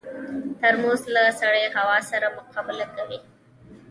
ترموز له سړې هوا سره مقابله کوي.